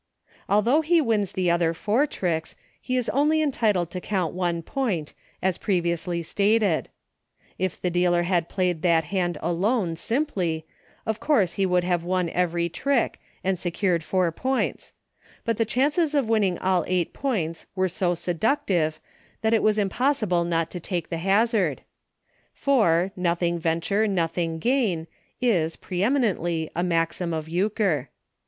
Although he wins the other four tricks, he is only entitled to count one point, as previously stated. If the dealer had played that hand alone, simply, of course he would have won everv trick, and secured 70 EUCHKE. four points; but the chances of winning all eight points were so seductive that it was impossible not to make the hazard; for, nothing venture, nothing gain, is, pre emi nently, a maxim of Euchre.